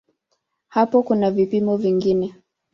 Hapo kuna vipimo vingine.